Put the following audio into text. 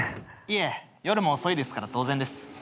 いえ夜も遅いですから当然です。